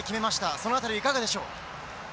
その辺りいかがでしょう？